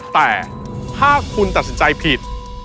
แต่ถ้าคุณตัดสินใจผิด